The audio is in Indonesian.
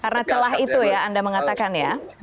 karena celah itu ya anda mengatakan ya